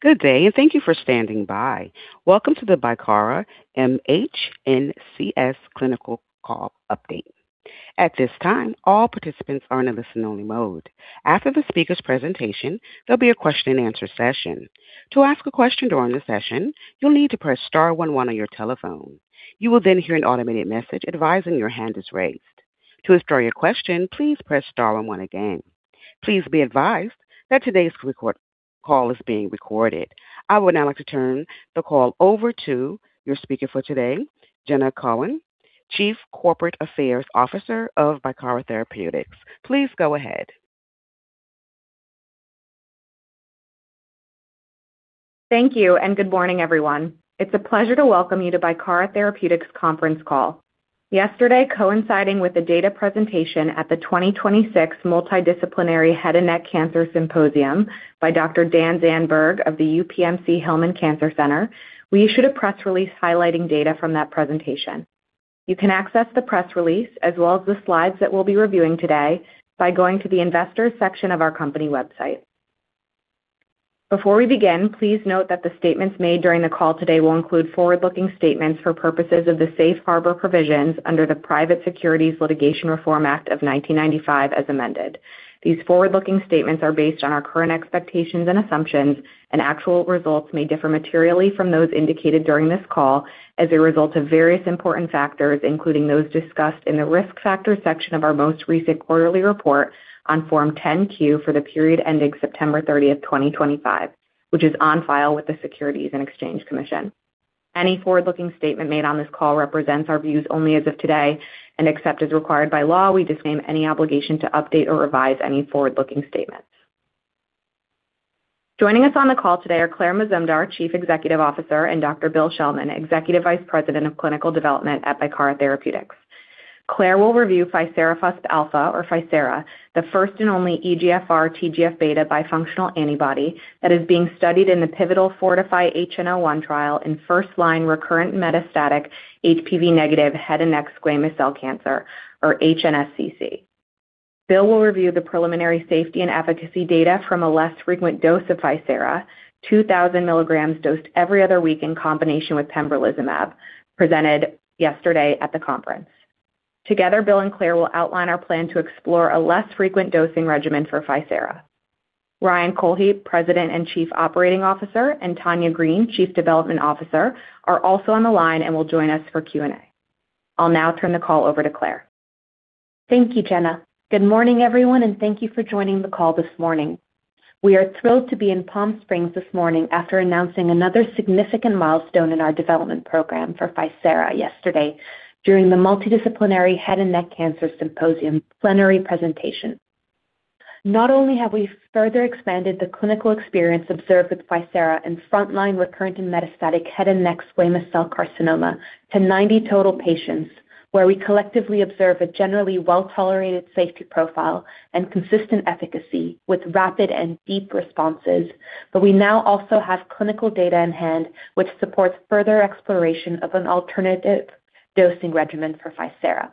Good day, and thank you for standing by. Welcome to the Bicara MHNCS Clinical Call Update. At this time, all participants are in a listen-only mode. After the speaker's presentation, there'll be a question-and-answer session. To ask a question during the session, you'll need to press star one one on your telephone. You will then hear an automated message advising your hand is raised. To restore your question, please press star one one again. Please be advised that today's recorded call is being recorded. I would now like to turn the call over to your speaker for today, Jenna Cohen, Chief Corporate Affairs Officer of Bicara Therapeutics. Please go ahead. Thank you, and good morning, everyone. It's a pleasure to welcome you to Bicara Therapeutics' conference call. Yesterday, coinciding with the data presentation at the 2026 Multidisciplinary Head and Neck Cancer Symposium by Dr. Dan Zandberg of the UPMC Hillman Cancer Center, we issued a press release highlighting data from that presentation. You can access the press release, as well as the slides that we'll be reviewing today, by going to the Investors section of our company website. Before we begin, please note that the statements made during the call today will include forward-looking statements for purposes of the Safe Harbor Provisions under the Private Securities Litigation Reform Act of 1995, as amended. These forward-looking statements are based on our current expectations and assumptions, and actual results may differ materially from those indicated during this call as a result of various important factors, including those discussed in the Risk Factors section of our most recent quarterly report on Form 10-Q for the period ending September 30th, 2025, which is on file with the Securities and Exchange Commission. Any forward-looking statement made on this call represents our views only as of today, and except as required by law, we disclaim any obligation to update or revise any forward-looking statements. Joining us on the call today are Claire Mazumdar, Chief Executive Officer, and Dr. Bill Schelman, Executive Vice President of Clinical Development at Bicara Therapeutics. Claire will review ficerafusp alfa, or FICERA, the first and only EGFR TGF-β bifunctional antibody that is being studied in the pivotal FORTIFI-HN01 trial in first-line recurrent metastatic HPV-negative head and neck squamous cell cancer, or HNSCC. Bill will review the preliminary safety and efficacy data from a less frequent dose of ficerafusp alfa, 2,000 mg dosed every other week in combination with pembrolizumab, presented yesterday at the conference. Together, Bill and Claire will outline our plan to explore a less frequent dosing regimen for ficerafusp alfa. Ryan Cohlhepp, President and Chief Operating Officer, and Tanya Green, Chief Development Officer, are also on the line and will join us for Q&A. I'll now turn the call over to Claire. Thank you, Jenna. Good morning, everyone, and thank you for joining the call this morning. We are thrilled to be in Palm Springs this morning after announcing another significant milestone in our development program for ficerafusp alfa yesterday during the Multidisciplinary Head and Neck Cancer Symposium plenary presentation. Not only have we further expanded the clinical experience observed with ficerafusp alfa in frontline recurrent and metastatic head and neck squamous cell carcinoma to 90 total patients, where we collectively observe a generally well-tolerated safety profile and consistent efficacy with rapid and deep responses. But we now also have clinical data in hand, which supports further exploration of an alternative dosing regimen for ficerafusp alfa.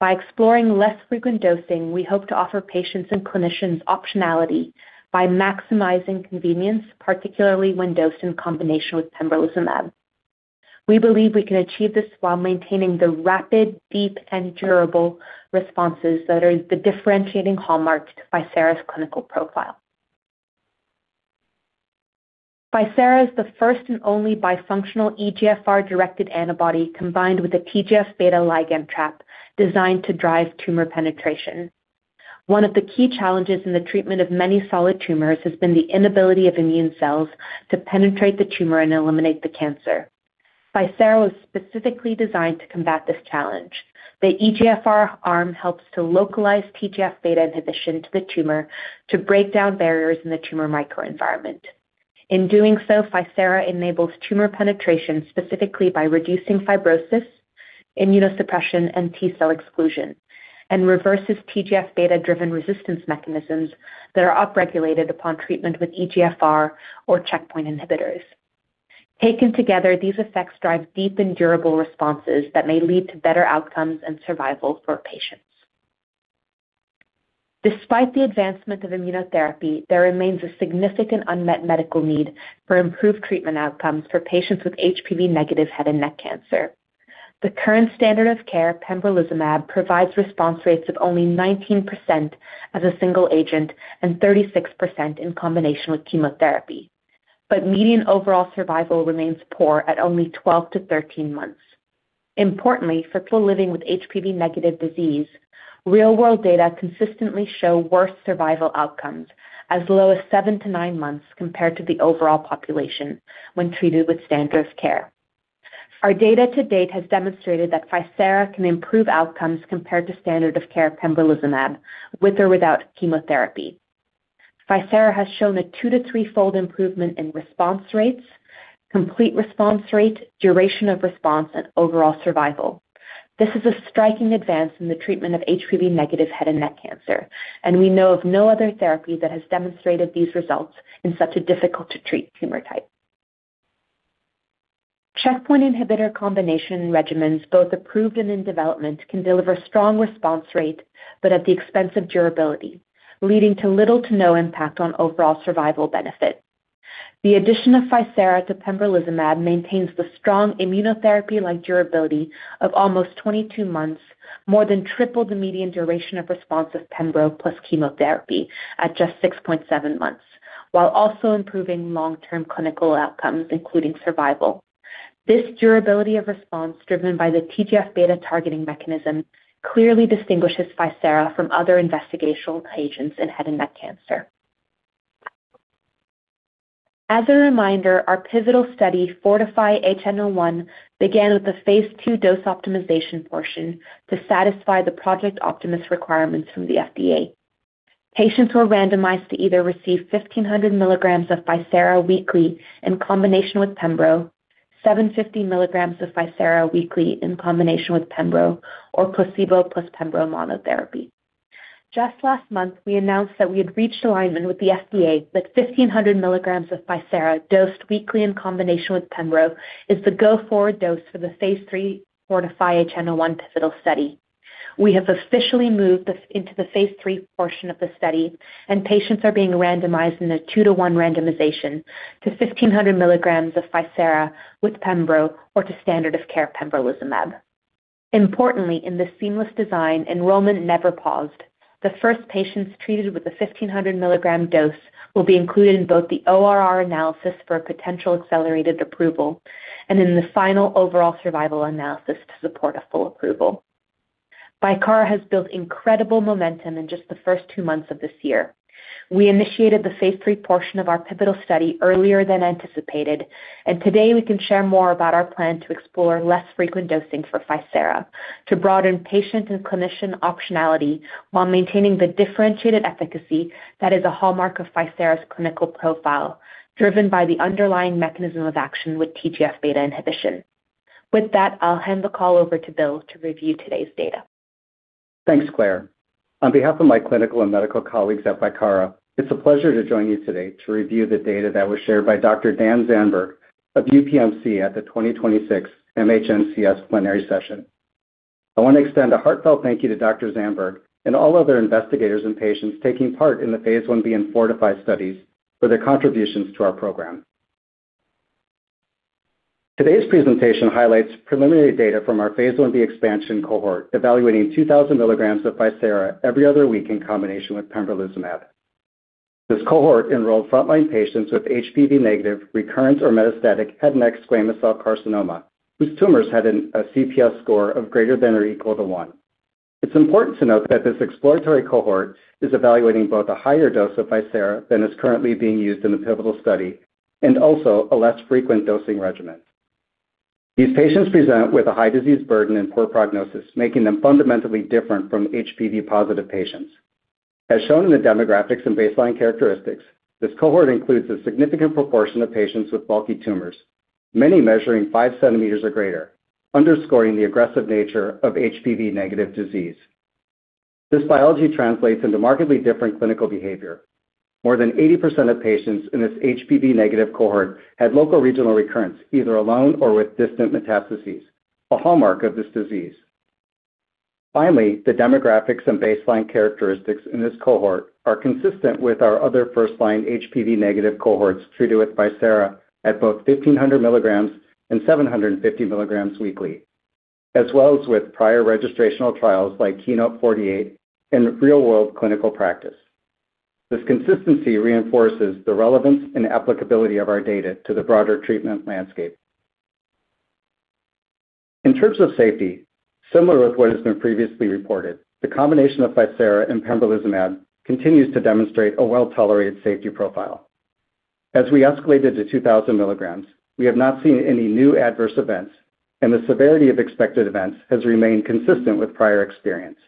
By exploring less frequent dosing, we hope to offer patients and clinicians optionality by maximizing convenience, particularly when dosed in combination with pembrolizumab. We believe we can achieve this while maintaining the rapid, deep, and durable responses that are the differentiating hallmarks of ficerafusp alfa's clinical profile. Ficerafusp alfa is the first and only bifunctional EGFR-directed antibody combined with a TGF-β ligand trap designed to drive tumor penetration. One of the key challenges in the treatment of many solid tumors has been the inability of immune cells to penetrate the tumor and eliminate the cancer. Ficerafusp alfa was specifically designed to combat this challenge. The EGFR arm helps to localize TGF-β inhibition to the tumor to break down barriers in the tumor microenvironment. In doing so, ficerafusp alfa enables tumor penetration specifically by reducing fibrosis, immunosuppression, and T-cell exclusion, and reverses TGF-β-driven resistance mechanisms that are upregulated upon treatment with EGFR or checkpoint inhibitors. Taken together, these effects drive deep and durable responses that may lead to better outcomes and survival for patients. Despite the advancement of immunotherapy, there remains a significant unmet medical need for improved treatment outcomes for patients with HPV-negative head and neck cancer. The current standard of care, pembrolizumab, provides response rates of only 19% as a single agent and 36% in combination with chemotherapy, but median overall survival remains poor at only 12-13 months. Importantly, for people living with HPV-negative disease, real-world data consistently show worse survival outcomes as low as seven to nine months compared to the overall population when treated with standard of care. Our data to date has demonstrated that ficerafusp alfa can improve outcomes compared to standard of care pembrolizumab, chemotherapy. Ficerafusp alfa has shown a 2- to 3-fold improvement in response rates, complete response rate, duration of response, and overall survival. This is a striking advance in the treatment of HPV-negative head and neck cancer, and we know of no other therapy that has demonstrated these results in such a difficult-to-treat tumor type. Checkpoint inhibitor combination regimens, both approved and in development, can deliver strong response rate, but at the expense of durability, leading to little to no impact on overall survival benefit. The addition of ficerafusp alfa to pembrolizumab maintains the strong immunotherapy-like durability of almost 22 months, more than triple the median duration of response of pembro plus chemotherapy at just 6.7 months, while also improving long-term clinical outcomes, including survival. This durability of response, driven by the TGF-β targeting mechanism, clearly distinguishes ficerafusp alfa from other investigational agents in head and neck cancer. As a reminder, our pivotal study, FORTIFI-HN01, began with a phase II dose optimization portion to satisfy the Project Optimus requirements from the FDA. Patients were randomized to either receive 1,500 mg of ficerafusp alfa weekly in combination with pembro, 750 mg of ficerafusp alfa weekly in combination with pembro, or placebo plus pembro monotherapy. Just last month, we announced that we had reached alignment with the FDA, that 1,500 mg of ficerafusp alfa, dosed weekly in combination with pembro, is the go-forward dose for the phase III FORTIFI-HN01 pivotal study. We have officially moved into the phase III portion of the study, and patients are being randomized in a 2-to-1 randomization to 1,500 mg of ficerafusp alfa with pembro or to standard of care pembrolizumab. Importantly, in this seamless design, enrollment never paused. The first patients treated with the 1,500 mg dose will be included in both the ORR analysis for a potential accelerated approval and in the final overall survival analysis to support a full approval. Bicara has built incredible momentum in just the first two months of this year. We initiated the phase III portion of our pivotal study earlier than anticipated, and today we can share more about our plan to explore less frequent dosing for ficerafusp, to broaden patient and clinician optionality while maintaining the differentiated efficacy that is a hallmark of ficerafusp's clinical profile, driven by the underlying mechanism of action with TGF-β inhibition. With that, I'll hand the call over to Bill to review today's data. Thanks, Claire. On behalf of my clinical and medical colleagues at Bicara, it's a pleasure to join you today to review the data that was shared by Dr. Dan Zandberg of UPMC at the 2026 MHNCS plenary session. I want to extend a heartfelt thank you to Dr. Zandberg and all other investigators and patients taking part in the phase I-b and FORTIFI studies for their contributions to our program. Today's presentation highlights preliminary data from our phase I-b expansion cohort, evaluating 2,000 mg of ficerafusp alfa every other week in combination with pembrolizumab. This cohort enrolled frontline patients with HPV-negative, recurrent or metastatic head and neck squamous cell carcinoma, whose tumors had a CPS score of ≥1. It's important to note that this exploratory cohort is evaluating both a higher dose of ficerafusp alfa than is currently being used in the pivotal study and also a less frequent dosing regimen. These patients present with a high disease burden and poor prognosis, making them fundamentally different from HPV-positive patients. As shown in the demographics and baseline characteristics, this cohort includes a significant proportion of patients with bulky tumors, many measuring 5 cm or greater, underscoring the aggressive nature of HPV-negative disease. This biology translates into markedly different clinical behavior. More than 80% of patients in this HPV-negative cohort had local regional recurrence, either alone or with distant metastases, a hallmark of this disease. Finally, the demographics and baseline characteristics in this cohort are consistent with our other first-line HPV-negative cohorts treated with ficerafusp alfa at both 1,500 mg and 750 mg weekly, as well as with prior registrational trials like KEYNOTE-048 and real-world clinical practice. This consistency reinforces the relevance and applicability of our data to the broader treatment landscape. In terms of safety, similar with what has been previously reported, the combination of ficerafusp alfa and pembrolizumab continues to demonstrate a well-tolerated safety profile. As we escalated to 2,000 mg, we have not seen any new adverse events, and the severity of expected events has remained consistent with prior experience.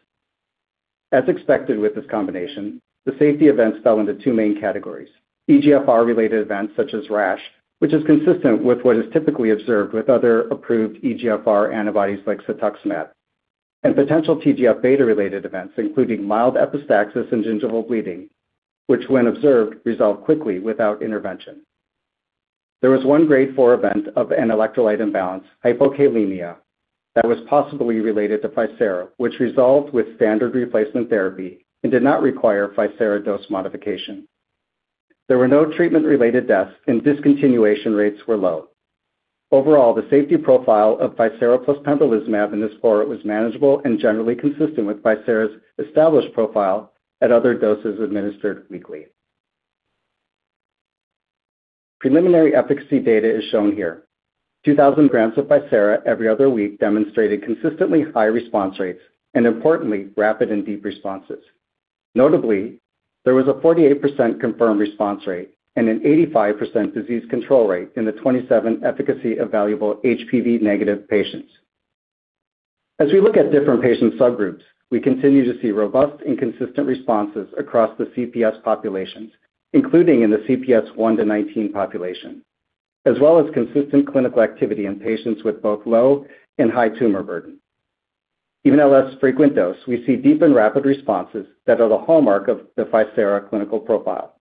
As expected with this combination, the safety events fell into two main categories: EGFR-related events, such as rash, which is consistent with what is typically observed with other approved EGFR antibodies like cetuximab, and potential TGF-β-related events, including mild epistaxis and gingival bleeding, which, when observed, resolve quickly without intervention. There was one Grade 4 event of an electrolyte imbalance, hypokalemia, that was possibly related to ficerafusp alfa, which resolved with standard replacement therapy and did not require ficerafusp alfa dose modification. There were no treatment-related deaths, and discontinuation rates were low. Overall, the safety profile of ficerafusp alfa plus pembrolizumab in this cohort was manageable and generally consistent with ficerafusp alfa's established profile at other doses administered weekly. Preliminary efficacy data is shown here: 2,000 mg of ficerafusp alfa every other week demonstrated consistently high response rates and, importantly, rapid and deep responses. Notably, there was a 48% confirmed response rate and an 85% disease control rate in the 27 efficacy-evaluable HPV-negative patients. As we look at different patient subgroups, we continue to see robust and consistent responses across the CPS populations, including in the CPS 1-19 population, as well as consistent clinical activity in patients with both low and high tumor burden. Even at less frequent dose, we see deep and rapid responses that are the hallmark of the ficerafusp alfa clinical profile.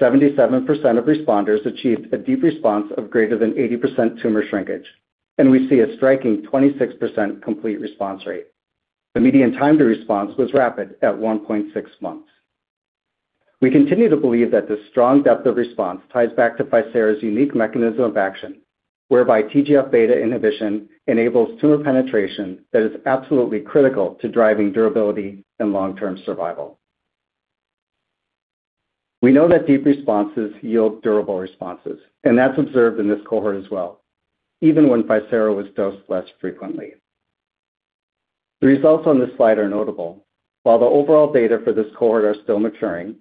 Seventy-seven percent of responders achieved a deep response of greater than 80% tumor shrinkage, and we see a striking 26% complete response rate. The median time to response was rapid at 1.6 months. We continue to believe that the strong depth of response ties back to ficerafusp's unique mechanism of action, whereby TGF-β inhibition enables tumor penetration that is absolutely critical to driving durability and long-term survival. We know that deep responses yield durable responses, and that's observed in this cohort as well, even when ficerafusp alfa was dosed less frequently. The results on this slide are notable. While the overall data for this cohort are still maturing,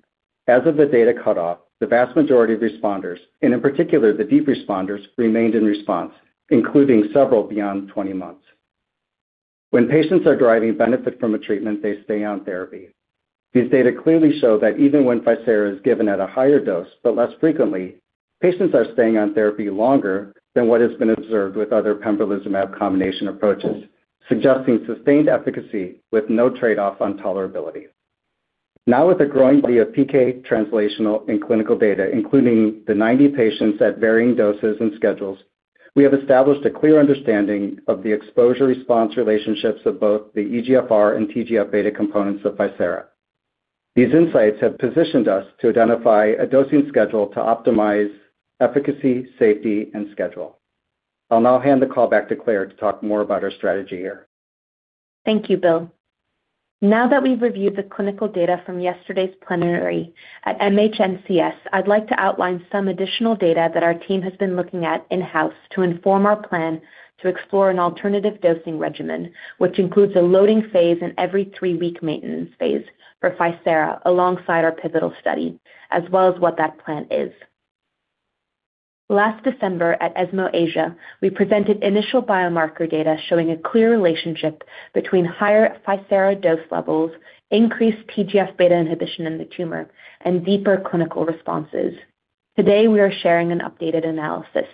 as of the data cutoff, the vast majority of responders, and in particular, the deep responders, remained in response, including several beyond 20 months. When patients are deriving benefit from a treatment, they stay on therapy. These data clearly show that even when ficerafusp alfa is given at a higher dose, but less frequently, patients are staying on therapy longer than what has been observed with other pembrolizumab combination approaches, suggesting sustained efficacy with no trade-off on tolerability. Now, with a growing body of PK translational and clinical data, including the 90 patients at varying doses and schedules, we have established a clear understanding of the exposure-response relationships of both the EGFR and TGF-β components of ficerafusp alfa. These insights have positioned us to identify a dosing schedule to optimize efficacy, safety, and schedule. I'll now hand the call back to Claire to talk more about our strategy here. Thank you, Bill. Now that we've reviewed the clinical data from yesterday's plenary at MHNCS, I'd like to outline some additional data that our team has been looking at in-house to inform our plan to explore an alternative dosing regimen, which includes a loading-phase and every three-week maintenance phase for ficerafusp alfa, alongside our pivotal study, as well as what that plan is. Last December, at ESMO Asia, we presented initial biomarker data showing a clear relationship between higher ficerafusp alfa dose levels, increased TGF-β inhibition in the tumor, and deeper clinical responses. Today, we are sharing an updated analysis.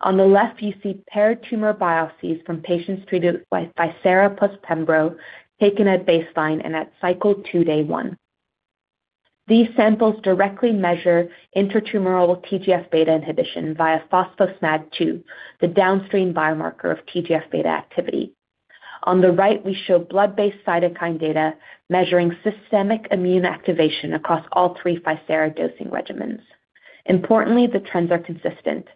On the left, you see paired tumor biopsies from patients treated with ficerafusp alfa plus pembro, taken at baseline and at cycle 2, day 1. These samples directly measure intratumoral TGF-β inhibition via phospho-SMAD2, the downstream biomarker of TGF-β activity. On the right, we show blood-based cytokine data measuring systemic immune activation across all three ficerafusp alfa dosing regimens. Importantly, the trends are consistent.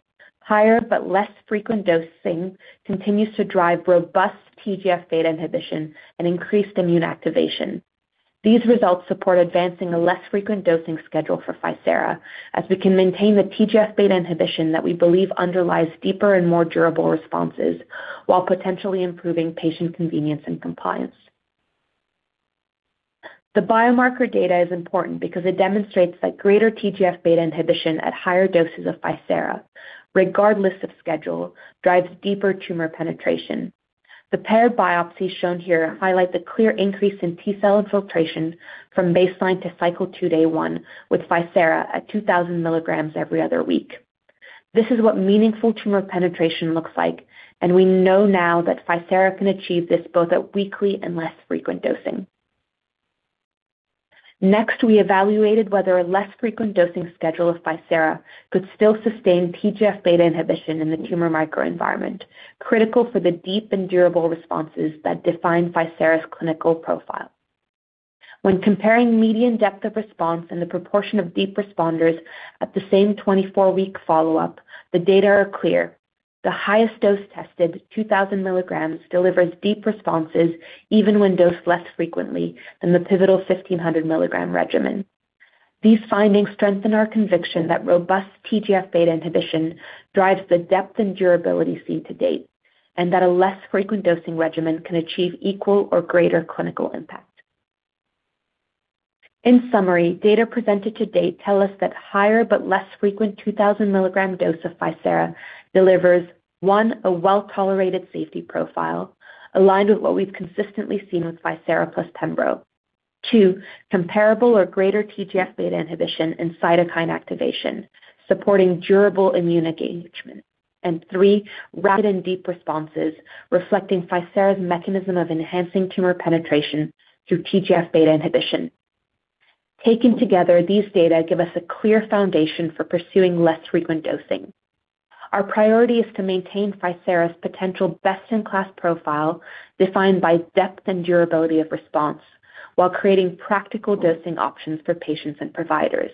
Higher but less frequent dosing continues to drive robust TGF-β inhibition and increased immune activation. These results support advancing a less frequent dosing schedule for ficerafusp alfa, as we can maintain the TGF-β inhibition that we believe underlies deeper and more durable responses, while potentially improving patient convenience and compliance. The biomarker data is important because it demonstrates that greater TGF-β inhibition at higher doses of ficerafusp alfa, regardless of schedule, drives deeper tumor penetration. The paired biopsies shown here highlight the clear increase in T-cell infiltration from baseline to cycle 2, day 1, with ficerafusp alfa at 2,000 mg every other week. This is what meaningful tumor penetration looks like, and we know now that ficerafusp alfa can achieve this both at weekly and less frequent dosing. Next, we evaluated whether a less frequent dosing schedule of ficerafusp alfa could still sustain TGF-β inhibition in the tumor microenvironment, critical for the deep and durable responses that define ficerafusp alfa's clinical profile. When comparing median depth of response and the proportion of deep responders at the same 24-week follow-up, the data are clear. The highest dose tested, 2,000 mg, delivers deep responses even when dosed less frequently than the pivotal 1,500 mg regimen. These findings strengthen our conviction that robust TGF-β inhibition drives the depth and durability seen to date, and that a less frequent dosing regimen can achieve equal or greater clinical impact. In summary, data presented to date tell us that higher but less frequent 2,000 mg dose of ficerafusp alfa delivers, one, a well-tolerated safety profile aligned with what we've consistently seen with ficerafusp alfa plus pembro. Two, comparable or greater TGF-β inhibition and cytokine activation, supporting durable immune engagement. And three, rapid and deep responses reflecting ficerafusp's mechanism of enhancing tumor penetration through TGF-β inhibition. Taken together, these data give us a clear foundation for pursuing less frequent dosing. Our priority is to maintain ficerafusp's potential best-in-class profile, defined by depth and durability of response, while creating practical dosing options for patients and providers.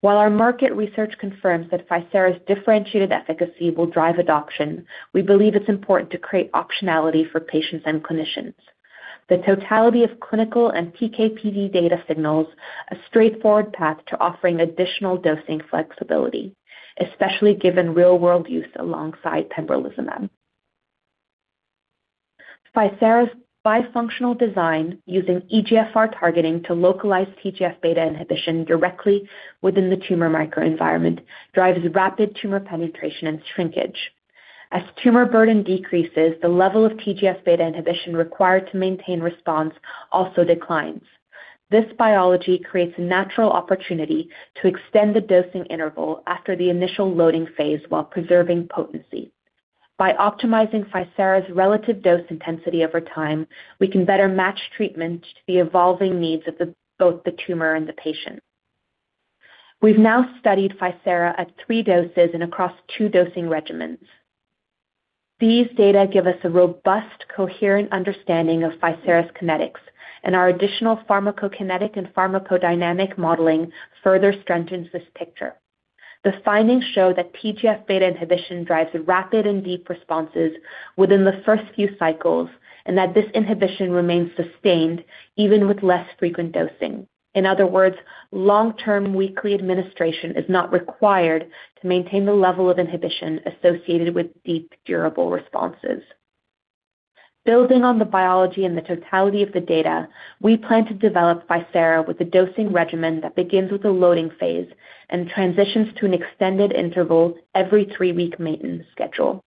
While our market research confirms that ficerafusp's differentiated efficacy will drive adoption, we believe it's important to create optionality for patients and clinicians. The totality of clinical and PK/PD data signals a straightforward path to offering additional dosing flexibility, especially given real-world use alongside pembrolizumab. Ficerafusp alfa's bifunctional design, using EGFR targeting to localize TGF-β inhibition directly within the tumor microenvironment, drives rapid tumor penetration and shrinkage. As tumor burden decreases, the level of TGF-β inhibition required to maintain response also declines. This biology creates a natural opportunity to extend the dosing interval after the initial loading phase, while preserving potency. By optimizing ficerafusp's relative dose intensity over time, we can better match treatment to the evolving needs of both the tumor and the patient. We've now studied ficerafusp alfa at three doses and across two dosing regimens. These data give us a robust, coherent understanding of ficerafusp alfa's kinetics, and our additional pharmacokinetic and pharmacodynamic modeling further strengthens this picture. The findings show that TGF-β inhibition drives rapid and deep responses within the first few cycles, and that this inhibition remains sustained even with less frequent dosing. In other words, long-term weekly administration is not required to maintain the level of inhibition associated with deep, durable responses. Building on the biology and the totality of the data, we plan to develop ficerafusp alfa with a dosing regimen that begins with a loading phase and transitions to an extended interval every three-week maintenance schedule.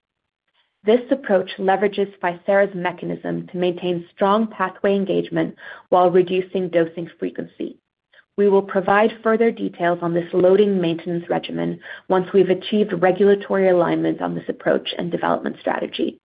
This approach leverages ficerafusp alfa's mechanism to maintain strong pathway engagement while reducing dosing frequency. We will provide further details on this loading maintenance regimen once we've achieved regulatory alignment on this approach and development strategy.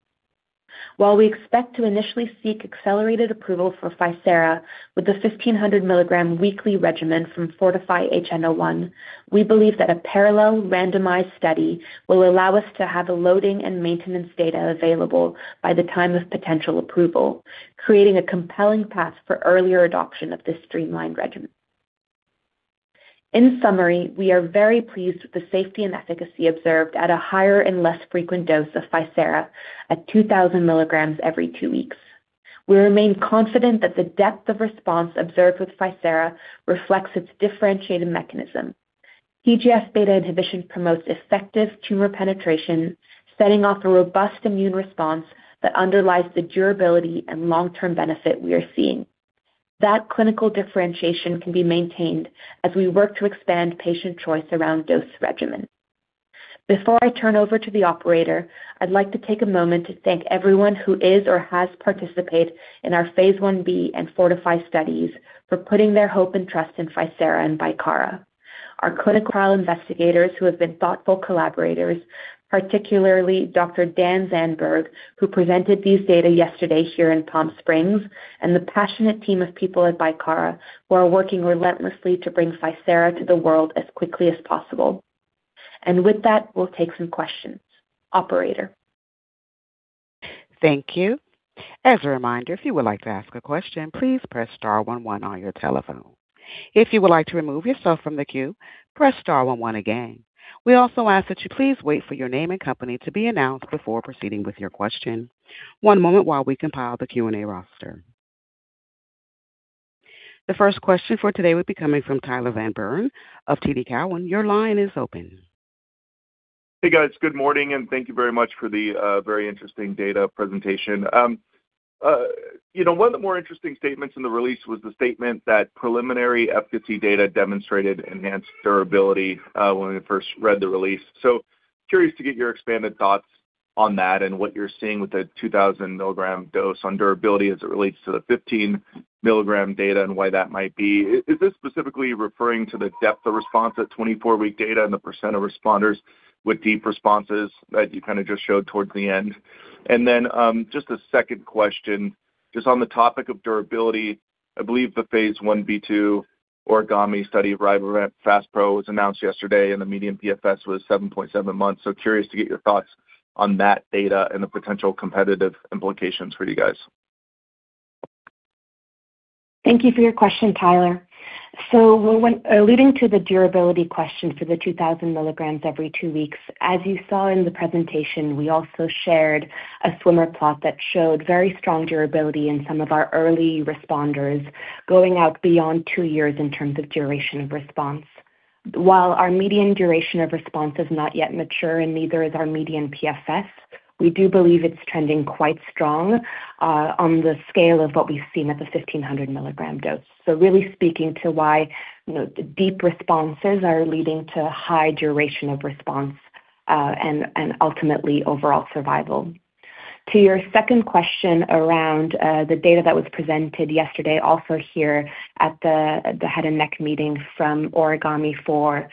While we expect to initially seek accelerated approval for ficerafusp alfa with a 1,500 mg weekly regimen from FORTIFI-HN01, we believe that a parallel randomized study will allow us to have a loading and maintenance data available by the time of potential approval, creating a compelling path for earlier adoption of this streamlined regimen. In summary, we are very pleased with the safety and efficacy observed at a higher and less frequent dose of ficerafusp alfa at 2,000 mg every two weeks. We remain confident that the depth of response observed with ficerafusp alfa reflects its differentiated mechanism. TGF-β inhibition promotes effective tumor penetration, setting off a robust immune response that underlies the durability and long-term benefit we are seeing. That clinical differentiation can be maintained as we work to expand patient choice around dose regimen. Before I turn over to the operator, I'd like to take a moment to thank everyone who is or has participated in our phase I-b and FORTIFI studies for putting their hope and trust in ficerafusp alfa and Bicara. Our clinical trial investigators who have been thoughtful collaborators, particularly Dr. Dan Zandberg, who presented these data yesterday here in Palm Springs, and the passionate team of people at Bicara, who are working relentlessly to bring ficerafusp alfa to the world as quickly as possible. And with that, we'll take some questions. Operator? Thank you. As a reminder, if you would like to ask a question, please press star one one on your telephone. If you would like to remove yourself from the queue, press star one one again. We also ask that you please wait for your name and company to be announced before proceeding with your question. One moment while we compile the Q&A roster. The first question for today will be coming from Tyler Van Buren of TD Cowen. Your line is open. Hey, guys. Good morning, and thank you very much for the very interesting data presentation. You know, one of the more interesting statements in the release was the statement that preliminary efficacy data demonstrated enhanced durability when we first read the release. So curious to get your expanded thoughts on that and what you're seeing with the 2,000 mg dose on durability as it relates to the 1,500 mg data and why that might be. Is this specifically referring to the depth of response at 24-week data and the percent of responders with deep responses that you kind of just showed towards the end? And then, just a second question, just on the topic of durability, I believe the phase I-b/II OrigAMI study of RYBREVANT FASPRO was announced yesterday, and the median PFS was 7.7 months. So curious to get your thoughts on that data and the potential competitive implications for you guys. Thank you for your question, Tyler. So when alluding to the durability question for the 2,000 mg every two weeks, as you saw in the presentation, we also shared a swimmer plot that showed very strong durability in some of our early responders, going out beyond two years in terms of duration of response. While our median duration of response is not yet mature and neither is our median PFS, we do believe it's trending quite strong, on the scale of what we've seen at the 1,500 mg dose. So really speaking to why, you know, the deep responses are leading to high duration of response, and ultimately overall survival. To your second question around, the data that was presented yesterday, also here at the, the head and neck meeting from OrigAMI-4.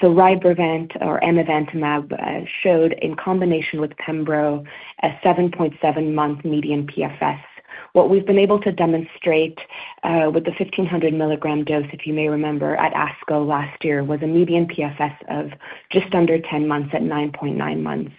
So RYBREVANT or amivantamab showed in combination with pembro a 7.7-month median PFS. What we've been able to demonstrate with the 1,500 mg dose, if you may remember at ASCO last year, was a median PFS of just under 10 months at 9.9 months.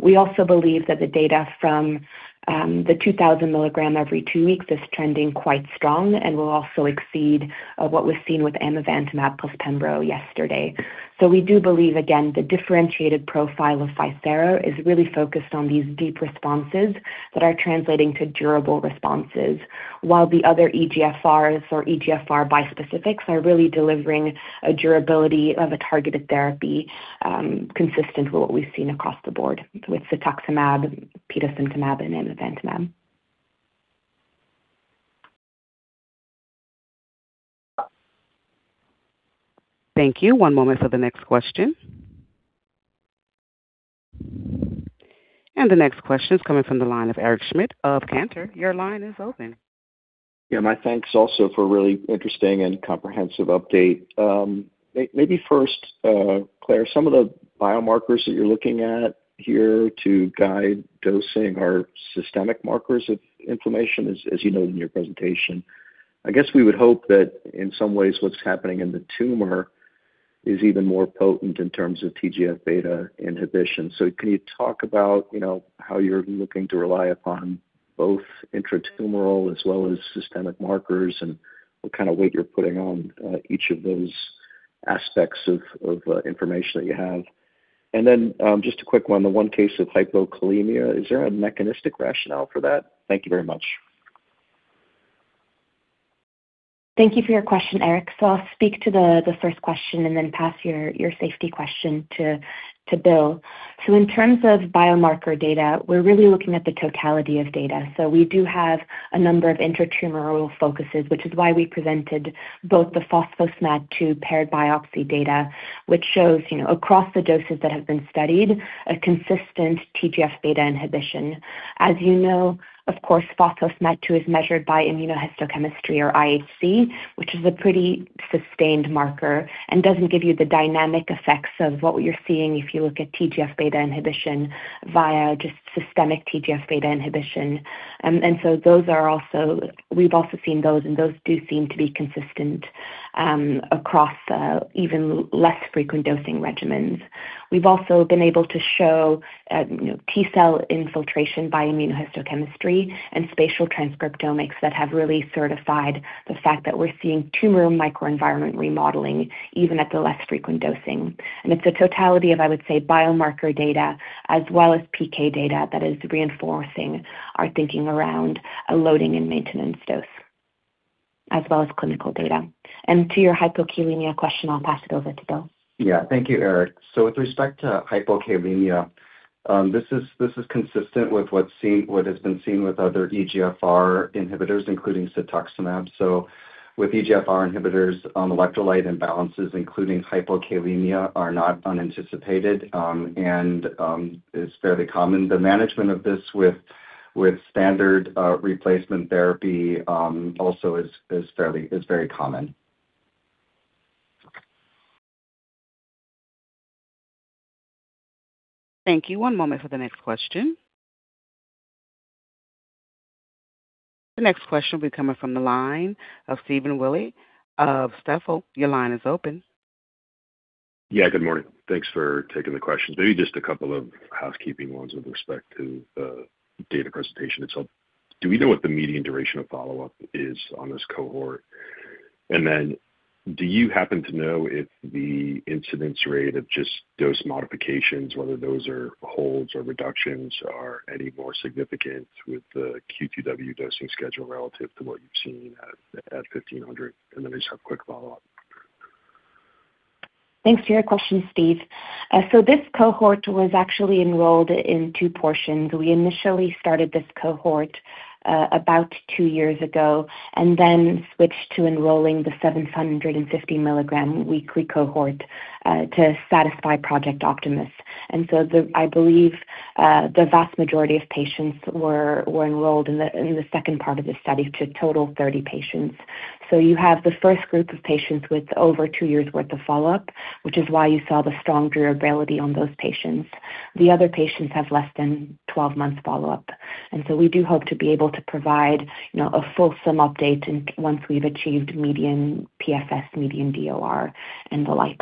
We also believe that the data from the 2,000 mg every two weeks is trending quite strong and will also exceed what was seen with amivantamab plus pembro yesterday. So we do believe, again, the differentiated profile of ficerafusp alfa is really focused on these deep responses that are translating to durable responses, while the other EGFRs or EGFR bispecifics are really delivering a durability of a targeted therapy consistent with what we've seen across the board with cetuximab, petosemtamab, and amivantamab. Thank you. One moment for the next question. The next question is coming from the line of Eric Schmidt of Cantor Fitzgerald. Your line is open. Yeah, my thanks also for a really interesting and comprehensive update. Maybe first, Claire, some of the biomarkers that you're looking at here to guide dosing are systemic markers of inflammation, as you noted in your presentation. I guess we would hope that in some ways, what's happening in the tumor is even more potent in terms of TGF-β inhibition. So can you talk about, you know, how you're looking to rely upon both intra-tumoral as well as systemic markers, and what kind of weight you're putting on each of those aspects of information that you have? And then, just a quick one, the one case of hypokalemia, is there a mechanistic rationale for that? Thank you very much. Thank you for your question, Eric. So I'll speak to the first question and then pass your safety question to Bill. So in terms of biomarker data, we're really looking at the totality of data. So we do have a number of intra-tumoral focuses, which is why we presented both the phospho-SMAD2 paired biopsy data, which shows, you know, across the doses that have been studied, a consistent TGF-β inhibition. As you know, of course, phospho-SMAD2 is measured by immunohistochemistry or IHC, which is a pretty sustained marker and doesn't give you the dynamic effects of what you're seeing if you look at TGF-β inhibition via just systemic TGF-β inhibition. And so those are also—we've also seen those, and those do seem to be consistent across the even less frequent dosing regimens. We've also been able to show, you know, T-cell infiltration by immunohistochemistry and spatial transcriptomics that have really certified the fact that we're seeing tumor microenvironment remodeling even at the less frequent dosing. And it's the totality of, I would say, biomarker data as well as PK data, that is reinforcing our thinking around a loading and maintenance dose, as well as clinical data. And to your hypokalemia question, I'll pass it over to Bill. Yeah. Thank you, Eric. So with respect to hypokalemia, this is, this is consistent with what's seen—what has been seen with other EGFR inhibitors, including cetuximab. So with EGFR inhibitors, electrolyte imbalances, including hypokalemia, are not unanticipated, and is fairly common. The management of this with standard replacement therapy also is very common. Thank you. One moment for the next question. The next question will be coming from the line of Stephen Willey of Stifel. Your line is open. Yeah, good morning. Thanks for taking the question. Maybe just a couple of housekeeping ones with respect to the data presentation itself. Do we know what the median duration of follow-up is on this cohort? And then do you happen to know if the incidence rate of just dose modifications, whether those are holds or reductions, are any more significant with the QTW dosing schedule relative to what you've seen at, at 1,500 mg? And then I just have a quick follow-up. Thanks for your question, Steve. So this cohort was actually enrolled in two portions. We initially started this cohort about two years ago and then switched to enrolling the 750 mg weekly cohort to satisfy Project Optimus. And so the, I believe, the vast majority of patients were enrolled in the second part of the study to total 30 patients. So you have the first group of patients with over two years' worth of follow-up, which is why you saw the strong durability on those patients. The other patients have less than 12 months follow-up, and so we do hope to be able to provide, you know, a fulsome update once we've achieved median PFS, median DOR, and the like.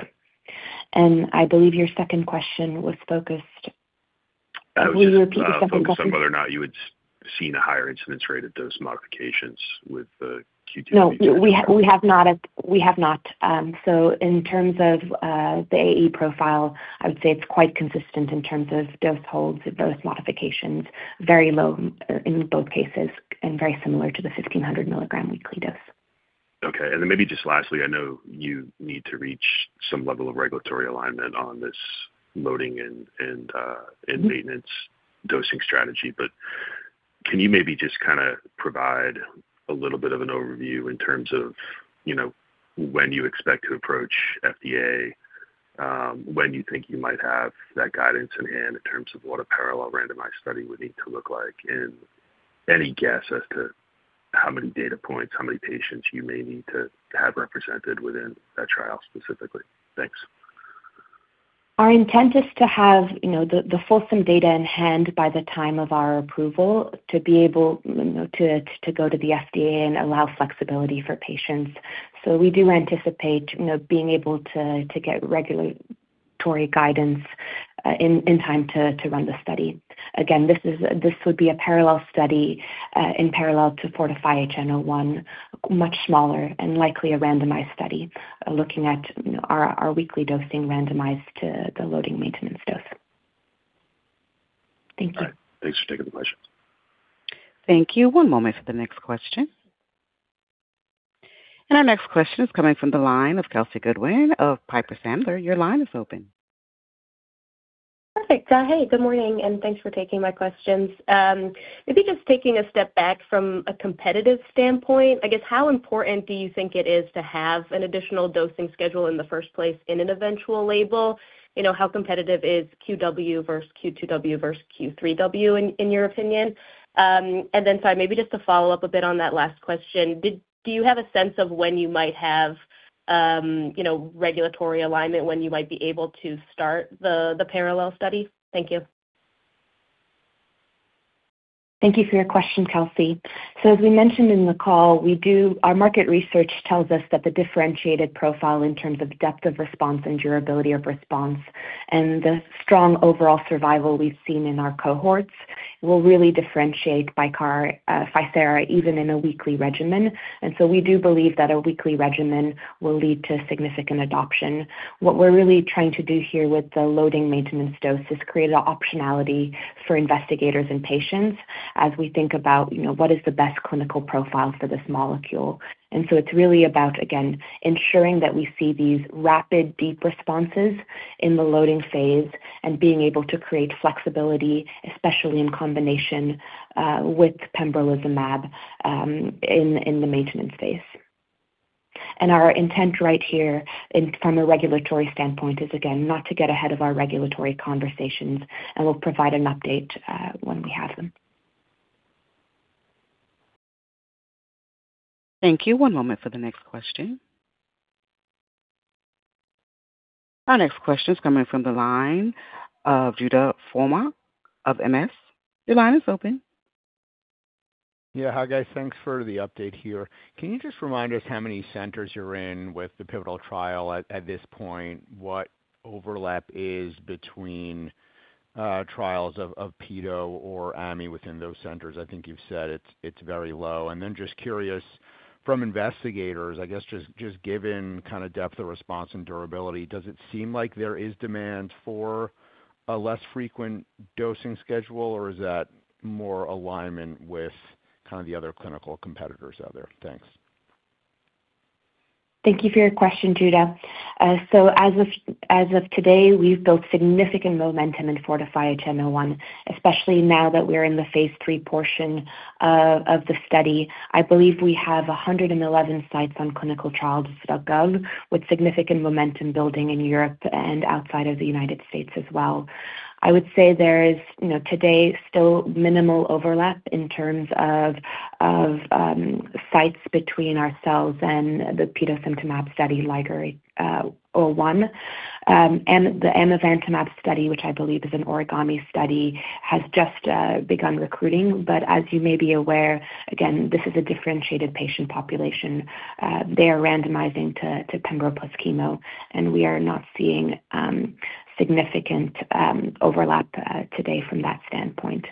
And I believe your second question was focused— I was just— Will you repeat the second question? Focused on whether or not you had seen a higher incidence rate of dose modifications with the QTW. No, we have, we have not. We have not. So in terms of the AE profile, I would say it's quite consistent in terms of dose holds and dose modifications, very low in both cases and very similar to the 1,500 mg weekly dose. Okay. And then, maybe just lastly, I know you need to reach some level of regulatory alignment on this loading and maintenance dosing strategy, but can you maybe just kinda provide a little bit of an overview in terms of, you know, when you expect to approach FDA, when you think you might have that guidance in hand in terms of what a parallel randomized study would need to look like? And any guess as to how many data points, how many patients you may need to have represented within that trial specifically? Thanks. Our intent is to have, you know, the fulsome data in hand by the time of our approval to be able, you know, to go to the FDA and allow flexibility for patients. So we do anticipate, you know, being able to get regulatory guidance in time to run the study. Again, this would be a parallel study in parallel to FORTIFI-HN01, much smaller and likely a randomized study looking at, you know, our weekly dosing randomized to the loading maintenance dose. Thank you. All right. Thanks for taking the questions. Thank you. One moment for the next question. Our next question is coming from the line of Kelsey Goodwin of Piper Sandler. Your line is open. Perfect. Hey, good morning, and thanks for taking my questions. Maybe just taking a step back from a competitive standpoint, I guess, how important do you think it is to have an additional dosing schedule in the first place in an eventual label? You know, how competitive is QW versus Q2W versus Q3W in your opinion? And then sorry, maybe just to follow up a bit on that last question, do you have a sense of when you might have, you know, regulatory alignment, when you might be able to start the parallel study? Thank you. Thank you for your question, Kelsey. So as we mentioned in the call, we do our market research tells us that the differentiated profile in terms of depth of response and durability of response and the strong overall survival we've seen in our cohorts, will really differentiate Bicara, ficerafusp alfa, even in a weekly regimen. And so we do believe that a weekly regimen will lead to significant adoption. What we're really trying to do here with the loading maintenance dose is create an optionality for investigators and patients as we think about, you know, what is the best clinical profile for this molecule. And so it's really about, again, ensuring that we see these rapid, deep responses in the loading phase and being able to create flexibility, especially in combination with pembrolizumab in the maintenance phase. Our intent right here, and from a regulatory standpoint, is again not to get ahead of our regulatory conversations, and we'll provide an update when we have them. Thank you. One moment for the next question. Our next question is coming from the line of Judah Frommer of Morgan Stanley. Your line is open. Yeah, hi, guys. Thanks for the update here. Can you just remind us how many centers you're in with the pivotal trial at this point? What overlap is between trials of petosemtamab or amivantamab within those centers? I think you've said it's very low. And then just curious, from investigators, I guess, given kind of depth of response and durability, does it seem like there is demand for a less frequent dosing schedule, or is that more alignment with kind of the other clinical competitors out there? Thanks. Thank you for your question, Judah. So as of today, we've built significant momentum in FORTIFI-HN01, especially now that we're in the phase III portion of the study. I believe we have 111 sites on ClinicalTrials.gov, with significant momentum building in Europe and outside of the United States as well. I would say there is, you know, today, still minimal overlap in terms of sites between ourselves and the petosemtamab study, LiGeR-HN1. And the amivantamab study, which I believe is an OrigAMI study, has just begun recruiting. But as you may be aware, again, this is a differentiated patient population. They are randomizing to pembro plus chemo, and we are not seeing significant overlap today from that standpoint.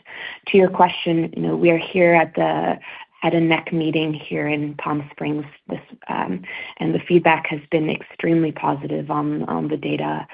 To your question, you know, we are here at the, at a head and neck meeting here in Palm Springs. And the feedback has been extremely positive on the data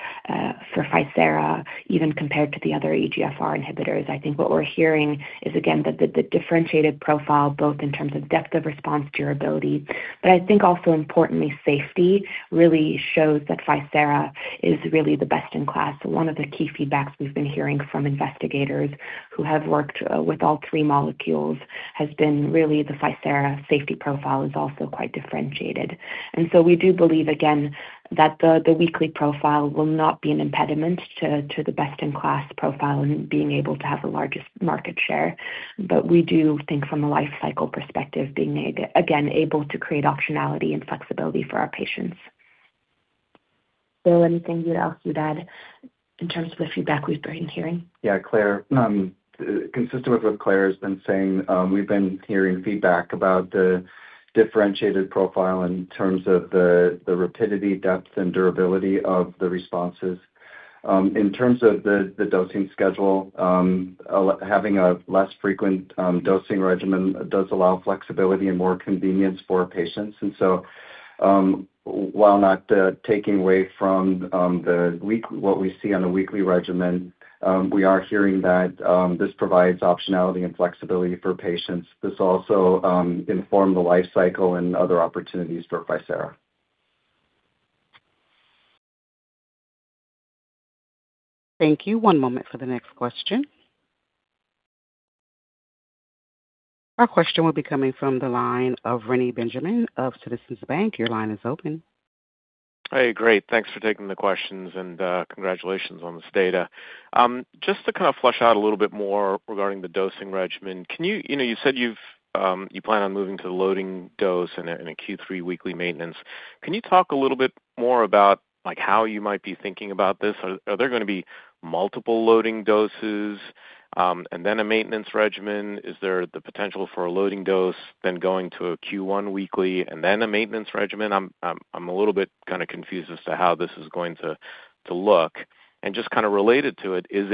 for ficerafusp alfa, even compared to the other EGFR inhibitors. I think what we're hearing is, again, that the differentiated profile, both in terms of depth of response durability, but I think also importantly, safety really shows that ficerafusp alfa is really the best in class. One of the key feedbacks we've been hearing from investigators who have worked with all three molecules has been really the ficerafusp alfa safety profile is also quite differentiated. And so we do believe, again, that the weekly profile will not be an impediment to the best-in-class profile and being able to have the largest market share. But we do think from a life cycle perspective, being a, again, able to create optionality and flexibility for our patients. Bill, anything you'd also add in terms of the feedback we've been hearing? Yeah, Claire. Consistent with what Claire has been saying, we've been hearing feedback about the differentiated profile in terms of the rapidity, depth and durability of the responses. In terms of the dosing schedule, having a less frequent dosing regimen does allow flexibility and more convenience for patients. And so, while not taking away from what we see on a weekly regimen, we are hearing that this provides optionality and flexibility for patients. This also inform the life cycle and other opportunities for ficerafusp alfa. Thank you. One moment for the next question. Our question will be coming from the line of Reni Benjamin of Citizens Bank. Your line is open. Hey, great. Thanks for taking the questions, and congratulations on this data. Just to kind of flush out a little bit more regarding the dosing regimen, can you—you know, you said you've you plan on moving to the loading dose in a, in a Q3 weekly maintenance. Can you talk a little bit more about, like, how you might be thinking about this? Are there going to be multiple loading doses, and then a maintenance regimen? Is there the potential for a loading dose, then going to a Q1 weekly, and then a maintenance regimen? I'm a little bit kind of confused as to how this is going to look. And just kind of related to it, is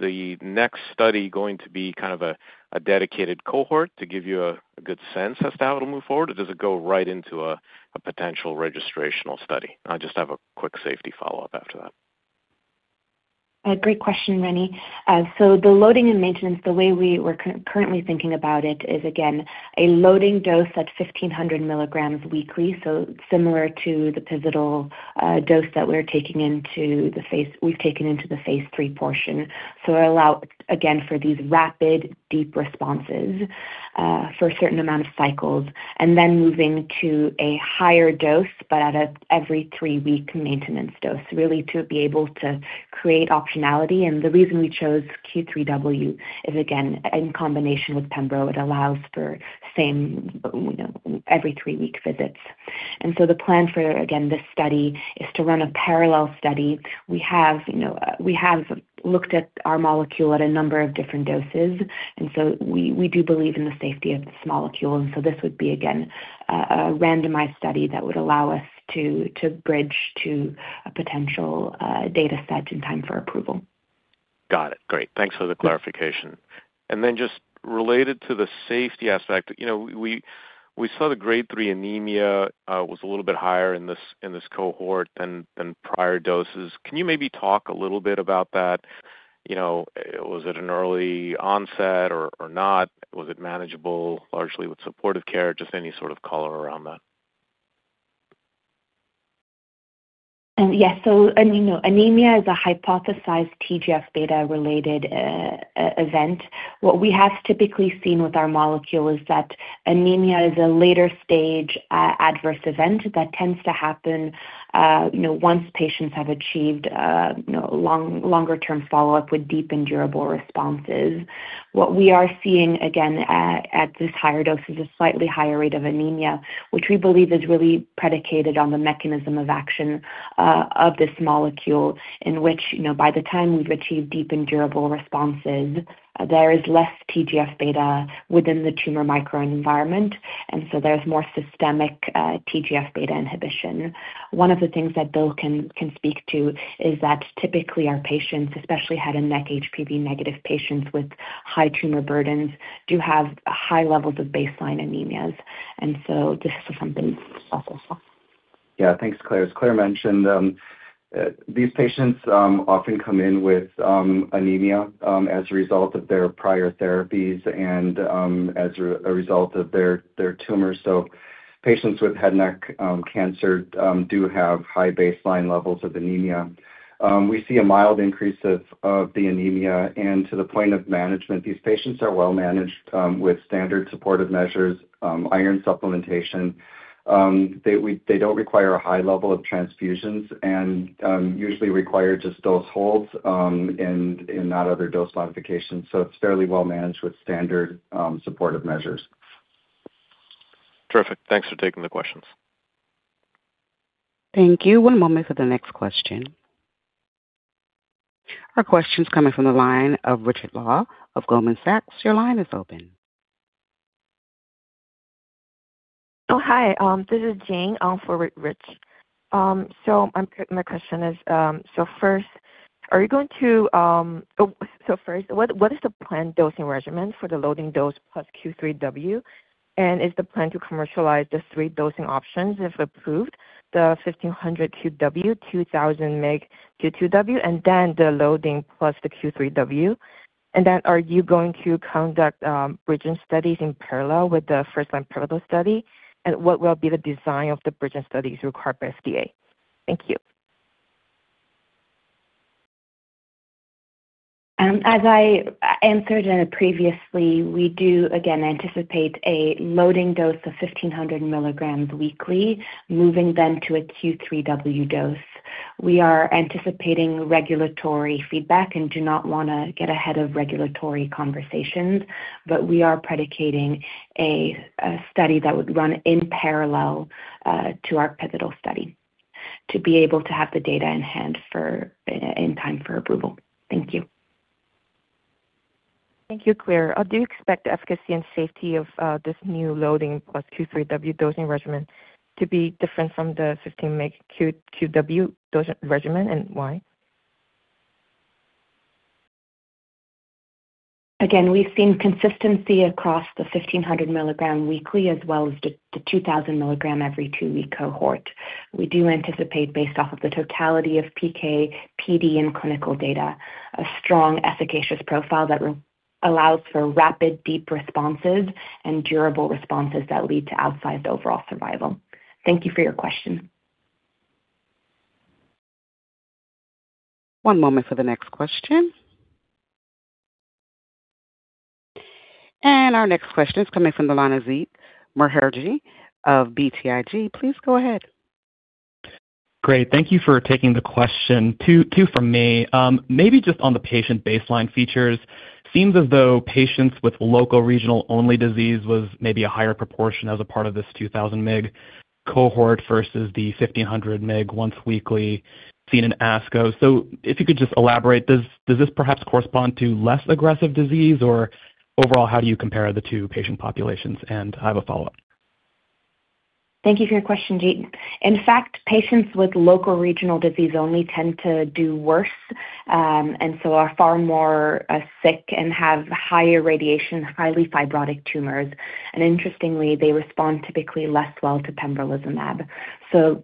the next study going to be kind of a dedicated cohort to give you a good sense as to how it'll move forward, or does it go right into a potential registrational study? I just have a quick safety follow-up after that. Great question, Reni. So the loading and maintenance, the way we were currently thinking about it is, again, a loading dose at 1,500 mg weekly, so similar to the pivotal dose that we're taking into the phase we've taken into the phase III portion. So allow, again, for these rapid, deep responses for a certain amount of cycles, and then moving to a higher dose, but at every three-week maintenance dose, really, to be able to create optionality. And the reason we chose Q3W is, again, in combination with pembro, it allows for same, you know, every three-week visits. And so the plan for, again, this study is to run a parallel study. We have, you know, we have looked at our molecule at a number of different doses, and so we do believe in the safety of this molecule. This would be, again, a randomized study that would allow us to, to bridge to a potential data set in time for approval. Got it. Great. Thanks for the clarification. And then just related to the safety aspect, you know, we saw the grade 3 anemia was a little bit higher in this cohort than prior doses. Can you maybe talk a little bit about that? You know, was it an early onset or not? Was it manageable largely with supportive care? Just any sort of color around that. Yes. So, you know, anemia is a hypothesized TGF-β-related event. What we have typically seen with our molecule is that anemia is a later-stage adverse event that tends to happen, you know, once patients have achieved, you know, long, longer-term follow-up with deep and durable responses. What we are seeing, again, at this higher dose is a slightly higher rate of anemia, which we believe is really predicated on the mechanism of action of this molecule, in which, you know, by the time we've achieved deep and durable responses, there is less TGF-β within the tumor microenvironment, and so there's more systemic TGF-β inhibition. One of the things that Bill can speak to is that typically our patients, especially head and neck HPV-negative patients with high tumor burdens, do have high levels of baseline anemias, and so this is something. Yeah. Thanks, Claire. As Claire mentioned, these patients often come in with anemia as a result of their prior therapies and as a result of their tumors. So patients with head neck cancer do have high baseline levels of anemia. We see a mild increase of the anemia. And to the point of management, these patients are well managed with standard supportive measures, iron supplementation. They don't require a high level of transfusions and usually require just dose holds and not other dose modifications. So it's fairly well managed with standard supportive measures. Terrific. Thanks for taking the questions. Thank you. One moment for the next question. Our question is coming from the line of Richard Law of Goldman Sachs. Your line is open. Oh, hi, this is Jane, for Rich. So my question is, so first, are you going to, oh, so first, what is the planned dosing regimen for the loading dose plus Q3W? And is the plan to commercialize the three dosing options, if approved, the 1,500 mg QW, 2,000 mg Q2W, and then the loading plus the Q3W? And then, are you going to conduct, bridging studies in parallel with the first-line pembro study? And what will be the design of the bridging study to require FDA? Thank you. As I answered previously, we do again anticipate a loading dose of 1,500 mg weekly, moving then to a Q3W dose. We are anticipating regulatory feedback and do not wanna get ahead of regulatory conversations, but we are predicating a study that would run in parallel to our pivotal study, to be able to have the data in hand for in time for approval. Thank you. Thank you, Claire. Do you expect the efficacy and safety of this new loading plus Q3W dosing regimen to be different from the 1,500 mg QW dosing regimen, and why? Again, we've seen consistency across the 1,500 mg weekly as well as the 2,000 mg every two-week cohort. We do anticipate, based off of the totality of PK, PD, and clinical data, a strong efficacious profile that allows for rapid, deep responses and durable responses that lead to outsized overall survival. Thank you for your question. One moment for the next question. Our next question is coming from the Jeet Mukherjee of BTIG. Please go ahead. Great. Thank you for taking the question. Two from me. Maybe just on the patient baseline features, seems as though patients with local regional only disease was maybe a higher proportion as a part of this 2,000 mg cohort versus the 1,500 mg once weekly seen in ASCO. So if you could just elaborate, does this perhaps correspond to less aggressive disease, or overall, how do you compare the two patient populations? And I have a follow-up. Thank you for your question, Jeet. In fact, patients with local regional disease only tend to do worse, and so are far more sick and have higher radiation, highly fibrotic tumors. Interestingly, they respond typically less well to pembrolizumab.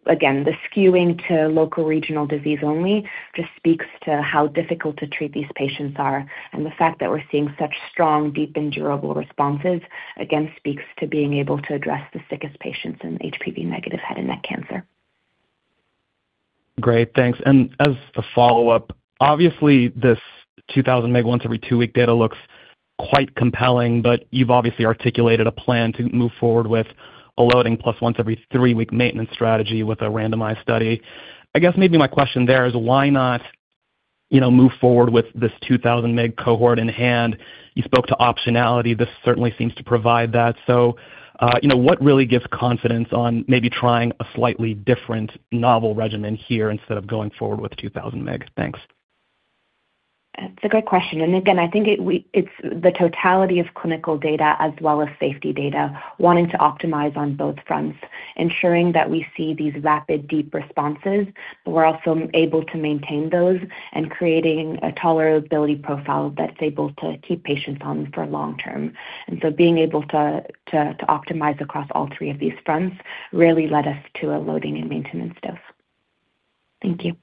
Again, the skewing to local regional disease only just speaks to how difficult to treat these patients are, and the fact that we're seeing such strong, deep, and durable responses again speaks to being able to address the sickest patients in HPV-negative head and neck cancer. Great, thanks. As a follow-up, obviously, this 2,000 mg once every two-week data looks quite compelling, but you've obviously articulated a plan to move forward with a loading plus once every three-week maintenance strategy with a randomized study. I guess maybe my question there is why not, you know, move forward with this 2,000 mg cohort in hand? You spoke to optionality. This certainly seems to provide that. So, you know, what really gives confidence on maybe trying a slightly different novel regimen here instead of going forward with 2,000 mg? Thanks. That's a great question, and again, I think it's the totality of clinical data as well as safety data, wanting to optimize on both fronts, ensuring that we see these rapid, deep responses, but we're also able to maintain those and creating a tolerability profile that's able to keep patients on for long term. And so being able to optimize across all three of these fronts really led us to a loading and maintenance dose. Thank you.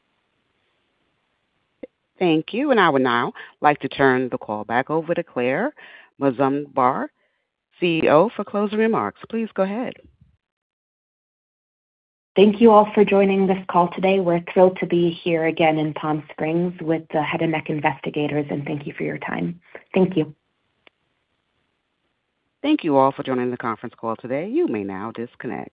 Thank you. I would now like to turn the call back over to Claire Mazumdar, CEO, for closing remarks. Please go ahead. Thank you all for joining this call today. We're thrilled to be here again in Palm Springs with the head and neck investigators, and thank you for your time. Thank you. Thank you all for joining the conference call today. You may now disconnect.